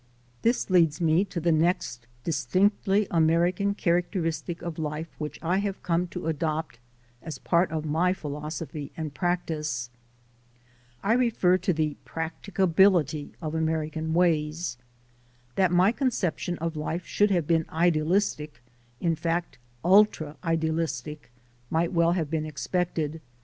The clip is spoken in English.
This leads me to the next distinctly American characteristic of life which I have come to adopt as a part of my philosophy and practice. I refer AMERICAN PHILOSOPHY OF LIFE 287 to the practicability of American ways. That my conception of life should have been idealistic, in fact ultra idealistic, might well have been expected.